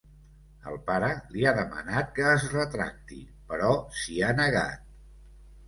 El pare li ha demanat que es retracti, però s'hi ha negat.